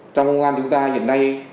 trong công an chúng ta hiện nay